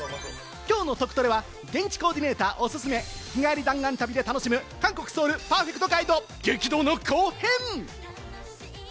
今日のトクトレは現地コーディネータおすすめ、日帰り弾丸旅で楽しむ韓国・ソウル、パーフェクトガイド、激動の後編。